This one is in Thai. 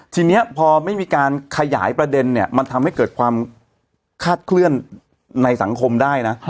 ทีนี้พอไม่มีการขยายประเด็นเนี่ยมันทำให้เกิดความคาดเคลื่อนในสังคมได้นะ